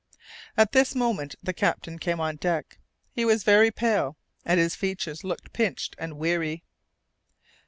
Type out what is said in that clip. At this moment the captain came on deck; he was very pale, and his features looked pinched and weary.